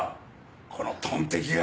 このトンテキが。